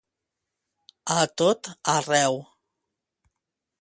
A tot arreu.